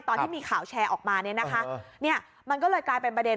ตอนที่มีข่าวแชร์ออกมาเนี่ยนะคะเนี่ยมันก็เลยกลายเป็นประเด็น